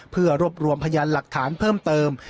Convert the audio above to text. เพื่อรวบรวมพยานหลักฐานเพิ่มเติม